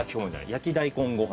焼き大根ご飯。